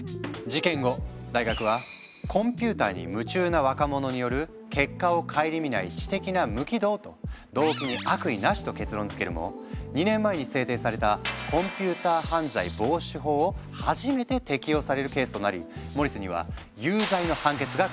事件後大学は「コンピューターに夢中な若者による結果を顧みない知的な無軌道」と動機に悪意なしと結論づけるも２年前に制定されたを初めて適用されるケースとなりモリスには有罪の判決が下った。